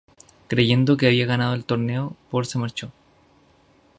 Creyendo que había ganado el torneo, Paul se marchó.